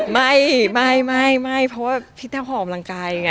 ไม่ไม่ไม่ไม่เพราะว่าพี่แต้วขออำนังกายไง